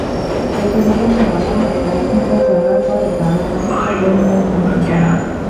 প্রতিবেদনে বলা হয়, কয়েক ঘণ্টা চলার পরে তাঁরা কয়েকজন রোহিঙ্গার সন্ধান পান।